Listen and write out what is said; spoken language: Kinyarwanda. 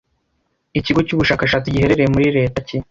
Ikigo cyubushakashatsi giherereye muri leta ki